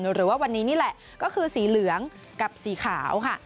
หรือว่าวันนี้นี่แหละก็คือสีเหลืองกับสีขาวค่ะ